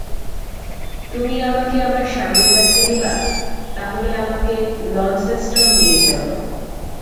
তুমি আমাকে আমার স্বামীর কাছে নিবা, তাহলে আমাকে লন্সেস্টন নিয়ে চলো।